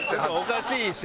おかしいし。